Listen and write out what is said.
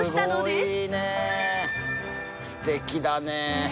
すてきだね。